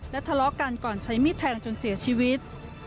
ทะเลาะกันก่อนใช้มีดแทงจนเสียชีวิต